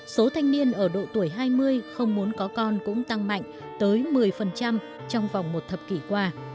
số thanh niên ở độ tuổi hai mươi không muốn có con cũng tăng mạnh tới một mươi trong vòng một thập kỷ qua